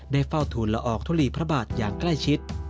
เฝ้าทูลละอองทุลีพระบาทอย่างใกล้ชิด